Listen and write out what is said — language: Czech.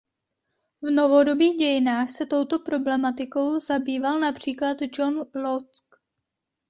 V novodobých dějinách se touto problematikou zabýval například John Locke.